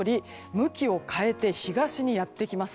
向きを変えて東にやってきます。